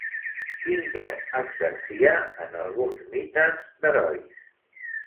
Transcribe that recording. Quin do exercia en alguns mites d'herois?